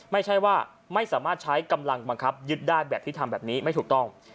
ไม่ใช่ว่าไม่สามารถใช้กำลังบังคับยึดได้แบบที่ทำแบบนี้ไม่ถูกต้อง